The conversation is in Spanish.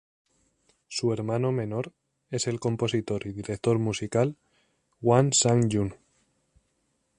Su hermano menor es el compositor y director musical Hwang Sang-jun.